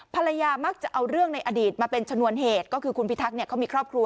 ภรรยามักจะเอาเรื่องในอดีตมาเป็นชนวนเหตุก็คือคุณพิทักษ์เขามีครอบครัว